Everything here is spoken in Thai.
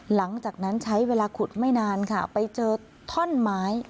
หลังจากนั้นใช้เวลาขุดไม่นานค่ะไปเจอท่อนไม้